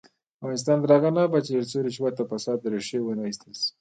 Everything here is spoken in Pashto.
افغانستان تر هغو نه ابادیږي، ترڅو رشوت او فساد له ریښې ونه ایستل شي.